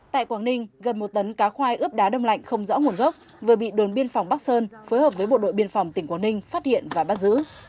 tại quảng ninh gần một tấn cá khoai ướp đá đông lạnh không rõ nguồn gốc vừa bị đồn biên phòng bắc sơn phối hợp với bộ đội biên phòng tỉnh quảng ninh phát hiện và bắt giữ